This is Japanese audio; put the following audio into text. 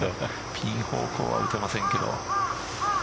ピン方向は打てませんけど。